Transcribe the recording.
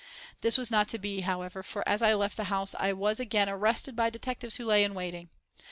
This was not to be, however, for as I left the house I was again arrested by detectives who lay in waiting.